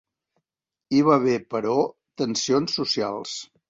Hi va haver però tensions socials.